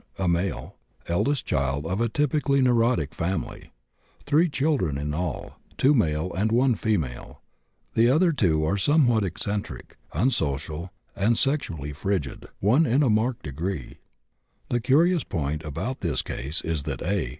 A., male, eldest child of typically neurotic family. Three children in all: 2 male and 1 female. The other 2 are somewhat eccentric, unsocial, and sexually frigid, 1 in a marked degree. The curious point about this case is that A.